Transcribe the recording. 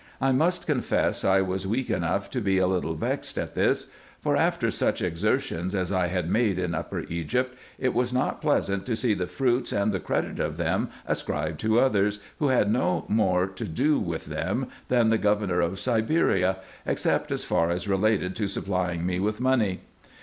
I must confess, I was weak enough to be a little vexed at this ; for, after such exertions as I had made in Upper Egypt, it was not pleasant to see the fruits and the credit of them ascribed to others, who had no more to do with them than the governor of Siberia, except as far as related to supplying me with money.